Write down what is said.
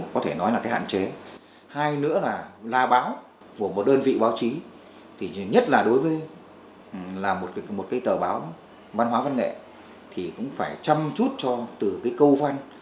cho từ câu văn